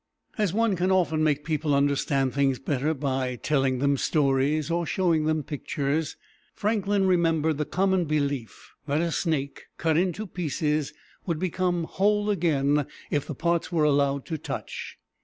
As one can often make people understand things better by telling them stories or showing them pictures, Franklin remembered the common belief that a snake, cut into pieces, would become whole again if the parts were allowed to touch.